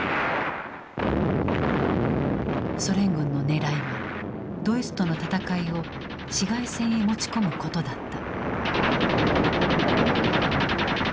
ソ連軍のねらいはドイツとの戦いを市街戦へ持ち込むことだった。